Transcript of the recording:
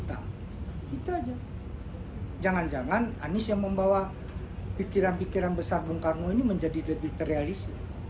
anies yang membawa pikiran pikiran besar bung karno menjadi lebih terrealis